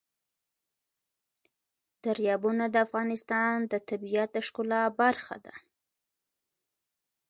دریابونه د افغانستان د طبیعت د ښکلا برخه ده.